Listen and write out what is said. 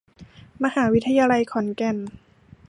มหาวิทยาลัยขอนแก่น